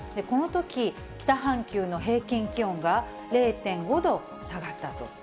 このとき、北半球の平均気温が０．５度下がったと。